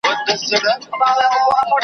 ته به کور سې د تورمخو ځالګیو .